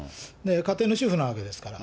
家庭の主婦なわけですから。